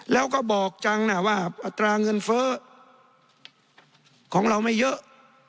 แล้วก็บอกจังนะว่าอัตราเงินเฟ้อของเราไม่เยอะ